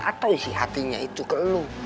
atau isi hatinya itu ke lu